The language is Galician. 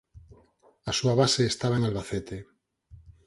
A súa base estaba en Albacete.